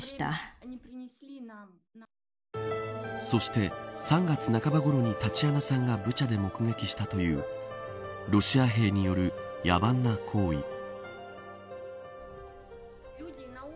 そして、３月半ばころにタチアナさんがブチャで目撃したというロシア兵による野蛮な行為。